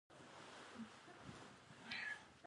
د هغه په جیب کې یو انځور و.